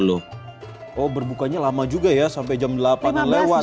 oh berbukanya lama juga ya sampai jam delapan lewat